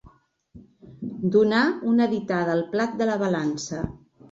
Donar una ditada al plat de la balança.